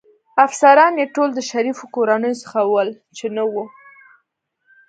افسران يې ټول له شریفو کورنیو څخه ول، چې نه و.